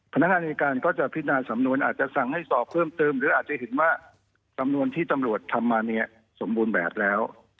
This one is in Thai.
พนักงานในการก็จะพินาสำนวนอาจจะสั่งให้สอบเพิ่มเติมหรืออาจจะเห็นว่าสำนวนที่ตำรวจทำมาเนี่ยสมบูรณ์แบบแล้ว